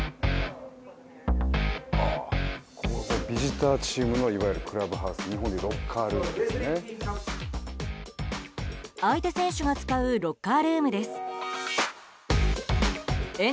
ビジターチームのいわゆるクラブハウス日本でいうロッカールームですね。